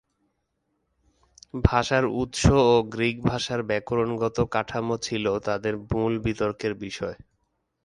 ভাষার উৎস ও গ্রিক ভাষার ব্যাকরণগত কাঠামো ছিল তাদের মূল বিতর্কের বিষয়।